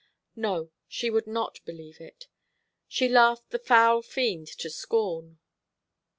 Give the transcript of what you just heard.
No, she would not believe it. She laughed the foul fiend to scorn.